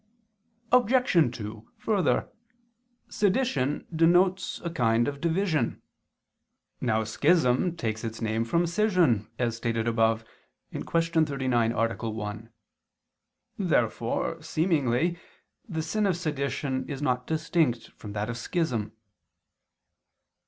Obj. 2: Further, sedition denotes a kind of division. Now schism takes its name from scission, as stated above (Q. 39, A. 1). Therefore, seemingly, the sin of sedition is not distinct from that of schism.